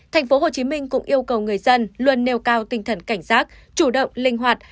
tp hcm cũng yêu cầu người dân luôn nêu cao tinh thần cảnh giác chủ động linh hoạt